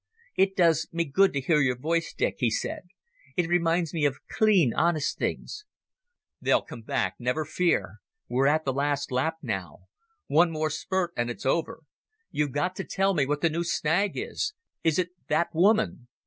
"It does me good to hear your voice, Dick," he said. "It reminds me of clean, honest things." "They'll come back, never fear. We're at the last lap now. One more spurt and it's over. You've got to tell me what the new snag is. Is it that woman?"